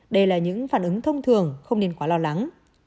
đây là những phản ứng thông thường không nên quá lo lắng